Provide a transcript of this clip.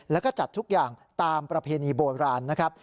แล้วก็จัดทุกอย่างตามประเพณีโบราณนะครับ